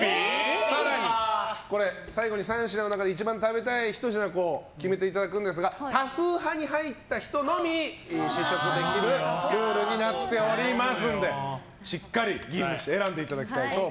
更に、最後に３品の中で一番食べたい１品を決めていただくんですが多数派に入った人のみ試食できるルールになっておりますんでしっかり吟味して選んでいただきたいと思います。